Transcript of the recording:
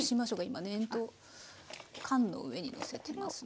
今ね缶の上にのせてますので。